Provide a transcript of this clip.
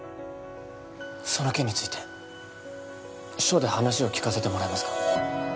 その件について署で話を聞かせてもらえますか？